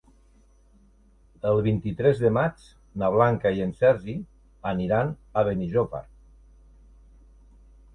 El vint-i-tres de maig na Blanca i en Sergi aniran a Benijòfar.